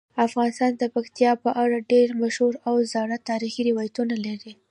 افغانستان د پکتیکا په اړه ډیر مشهور او زاړه تاریخی روایتونه لري.